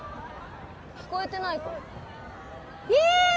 聞こえてないかもりん！